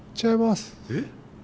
違います。